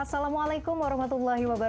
assalamualaikum wr wb